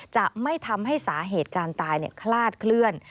จะไม่ทำให้สาเหตุการตายคลาดเคลื่อน